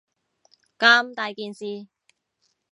咁大件事